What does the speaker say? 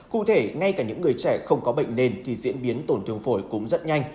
cụ thể ngay cả những người trẻ không có bệnh nền thì diễn biến tổn thương phổi cũng rất nhanh